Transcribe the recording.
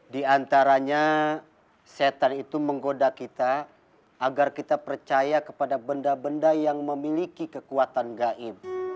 di antaranya setan itu menggoda kita agar kita percaya kepada benda benda yang memiliki kekuatan gaib